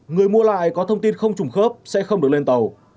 người mua lại có thông tin không trùng khớp sẽ không được lên tàu